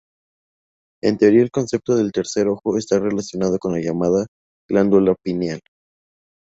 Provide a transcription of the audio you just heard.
En Teosofía el concepto del tercer ojo está relacionado con la llamada glándula pineal.